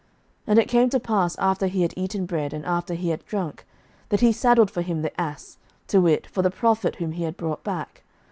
11:013:023 And it came to pass, after he had eaten bread, and after he had drunk, that he saddled for him the ass, to wit, for the prophet whom he had brought back.